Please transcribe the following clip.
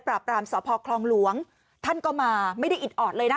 กลุ่มหนึ่งก็คือ